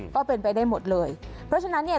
ก็เป็นไปได้หมดเลยเพราะฉะนั้นเนี่ย